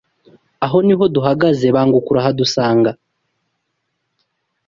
Aho ni ho duhagaze banguka urahadusanga